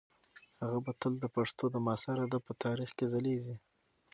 هغه به تل د پښتو د معاصر ادب په تاریخ کې ځلیږي.